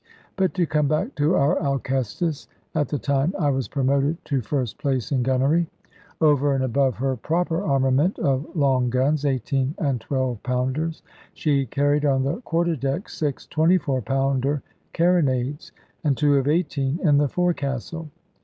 But to come back to our Alcestis, at the time I was promoted to first place in gunnery. Over and above her proper armament of long guns, eighteen and twelve pounders, she carried on the quarter deck six 24 pounder carronades, and two of 18 in the forecastle.